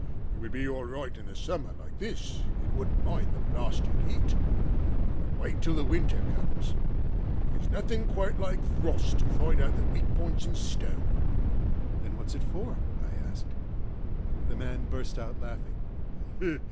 It would be all right in the summer like this; it wouldn't mind the blasted heat. But wait till the winter comes. There's nothing quite like frost to find out the weak points in stone." "Then what's it for?" I asked. The man burst out laughing.